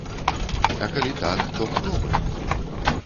А калі так, то хто мы?